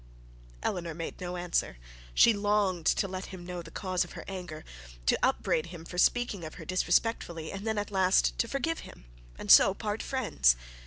Eleanor made no answer. She longed to let him know the cause of her anger, to upbraid him for speaking of her disrespectfully, and then at last forgive him, and so part friends.